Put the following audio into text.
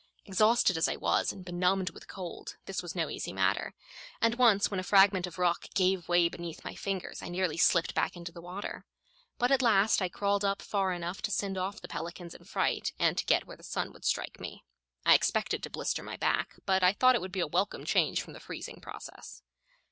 Exhausted as I was, and benumbed with cold, this was no easy matter; and once, when a fragment of rock gave way beneath my fingers, I nearly slipped back into the water. But at last I crawled up far enough to send off the pelicans in fright, and to get where the sun would strike me. I expected to blister my back, but I thought it would be a welcome change from the freezing process.